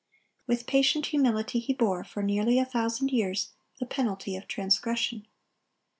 With patient humility he bore, for nearly a thousand years, the penalty of transgression.